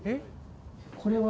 これは。